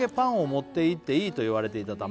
「持っていっていいと言われていたため」